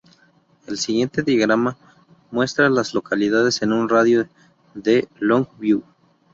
El siguiente diagrama muestra a las localidades en un radio de de Long View.